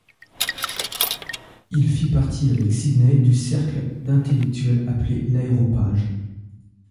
Il fit partie, avec Sidney, du cercle d'intellectuels appelé l'Aréopage.